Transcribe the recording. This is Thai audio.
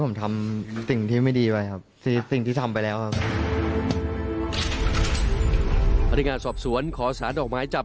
เอออารมณ์ชั่ววูบไม่เลือกตัวครับครับ